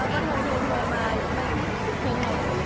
ถ้าอาณาคตอยู่ฝุ่งผู้หญิงจะได้